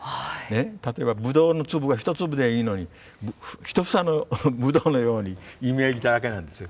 例えばぶどうの粒が１粒でいいのに１房のぶどうのようにイメージだらけなんですよ。